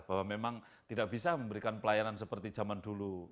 bahwa memang tidak bisa memberikan pelayanan seperti zaman dulu